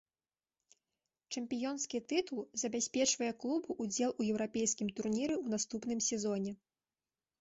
Чэмпіёнскі тытул забяспечвае клубу ўдзел у еўрапейскім турніры ў наступным сезоне.